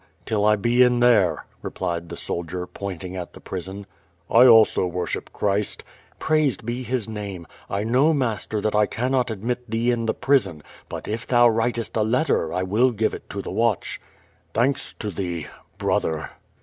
" Till I be in there," replied the soldier, pointing at the prison. "I also worship Christ." "Praised be His name! I know, master, that I cannot ad mit thee in the prison, but if thou writest a letter, 1 will give it to the watch." "Thanks to thee, brother."